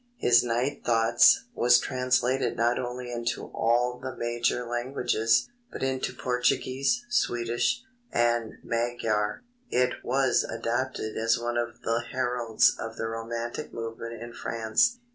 His Night Thoughts was translated not only into all the major languages, but into Portuguese, Swedish and Magyar. It was adopted as one of the heralds of the romantic movement in France.